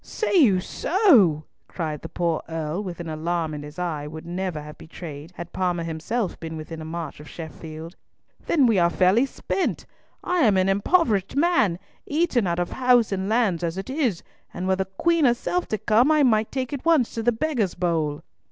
"Say you so," cried the poor Earl, with an alarm his eye would never have betrayed had Parma himself been within a march of Sheffield, "then were we fairly spent. I am an impoverished man, eaten out of house and lands as it is, and were the Queen herself to come, I might take at once to the beggar's bowl."